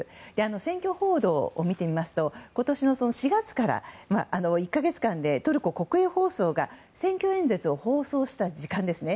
選挙報道を見てみますと今年の４月から１か月間でトルコ国営放送が選挙演説を放送した時間ですね。